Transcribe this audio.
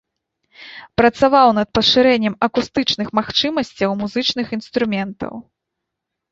Працаваў над пашырэннем акустычных магчымасцяў музычных інструментаў.